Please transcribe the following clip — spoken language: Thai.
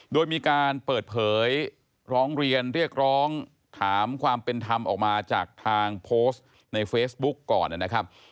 โดยมีการเปิดเผยร้องเรียนเรียกร้องถามความเป็นธรรมออกมาจากทางโพสต์ในเฟซบุ๊กก่อนนะครับ